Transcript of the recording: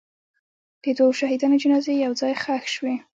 د دوو شهیدانو جنازې یو ځای ښخ شوې.